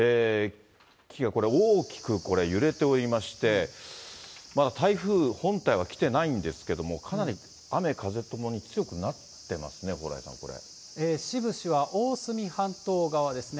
木がこれ、大きく揺れておりまして、まだ台風本体は来てないんですけども、かなり雨風ともに強くなってますね、志布志は、大隅半島側ですね。